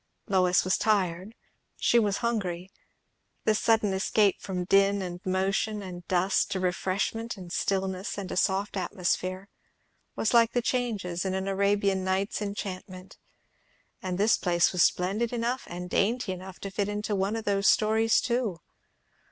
Lois was tired, she was hungry; this sudden escape from din and motion and dust, to refreshment and stillness and a soft atmosphere, was like the changes in an Arabian Nights' enchantment. And the place was splendid enough and dainty enough to fit into one of those stories too.